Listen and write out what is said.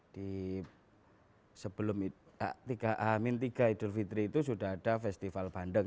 di sebelum tiga idul fitri itu sudah ada festival bandeng